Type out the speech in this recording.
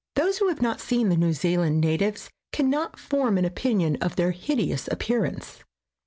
Those who have not seen the New Zealand natives cannot form an opinion of their hideous appearance.